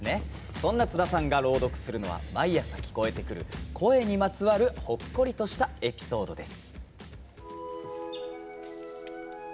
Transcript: そんな津田さんが朗読するのは毎朝聞こえてくる声にまつわるほっこりとしたエピソードです。